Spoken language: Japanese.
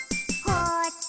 「こっち？」